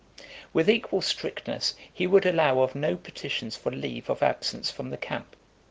With equal strictness, he would allow of no petitions for leave of absence from the camp.